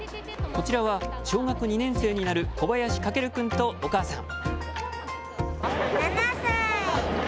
こちらは小学２年生になる小林駆君とお母さん。